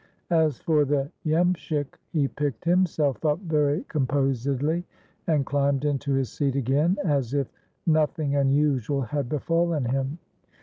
As for the yemshik, he picked himself up very composedly, and climbed into his seat again as if nothing unusual had befallen him.